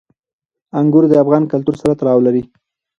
انګور د افغان کلتور سره تړاو لري.